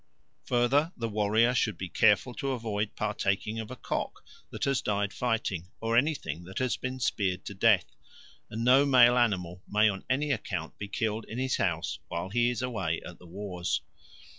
Further, the warrior should be careful to avoid partaking of a cock that has died fighting or anything that has been speared to death; and no male animal may on any account be killed in his house while he is away at the wars.